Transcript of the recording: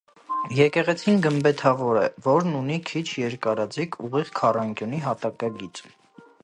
Եկեղեցին գմբեթավոր է, որն ունի քիչ երկարաձիգ ուղիղ քառանկյունի հատակագիծ։